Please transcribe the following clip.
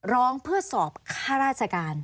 ร้องเพื่อสอบค่าราชการ